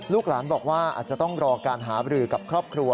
ลูกหลานบอกว่าอาจจะต้องรอการหาบรือกับครอบครัว